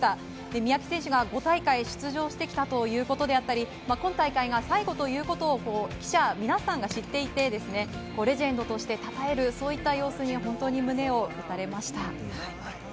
三宅選手が５大会出場してきたということであったり今大会が最後ということを記者皆さんが知っていてレジェンドとしてたたえるそういった様子に本当に胸を打たれました。